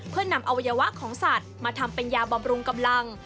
เพื่อนำอวัยวะของสัตว์มาทำเป็นยาบำรุงกำลัง